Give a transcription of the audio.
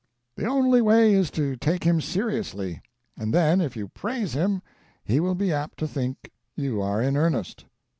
The only way is to take him seriously, and then if you praise him he will be apt to think you are in earnest.